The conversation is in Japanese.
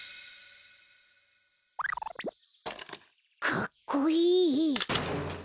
かっこいい！